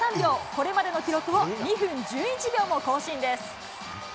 これまでの記録を２分１１秒も更新です。